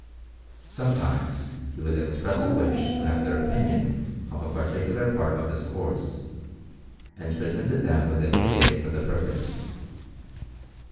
Sometimes he would express a wish to have their opinion of a parti cular part of his course, and presented them with a ticket for the purpose.